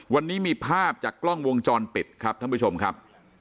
วันนี้มีภาพจากกล้องวงจรปิดครับท่านผู้ชมครับ